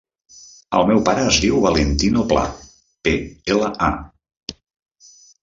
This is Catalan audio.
El meu pare es diu Valentino Pla: pe, ela, a.